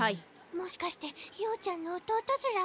もしかして曜ちゃんの弟ずら？